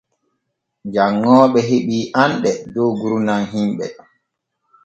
Janŋooɓe heɓa anɗe dow gurdam himɓe.